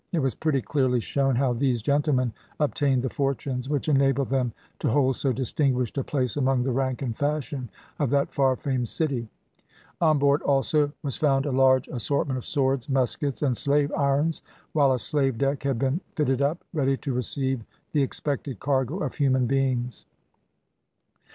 It was pretty clearly shown how these gentlemen obtained the fortunes which enabled them to hold so distinguished a place among the rank and fashion of that far famed city. On board, also, was found a large assortment of swords, muskets, and slave irons, while a slave deck had been fitted up, ready to receive the expected cargo of human beings.